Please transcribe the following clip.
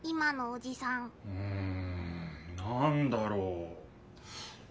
うんなんだろう？